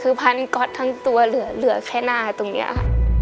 คือพันก๊อตทั้งตัวเหลือแค่หน้าตรงนี้ค่ะ